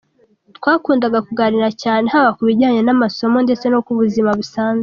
Twakundaga kuganira cyane haba ku bijyanye n’amasomo ndetse no ku buzima busanzwe.